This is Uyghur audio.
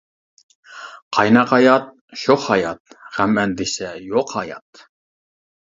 قايناق ھايات شوخ ھايات، غەم-ئەندىشە يوق ھايات.